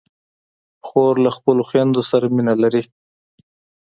خور له خپلو خویندو سره مینه لري.